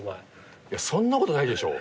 そんなことないでしょ！